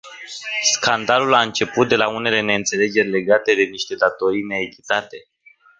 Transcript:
Scandalul a început de la unele neînțelegeri legate de niște datorii neachitate.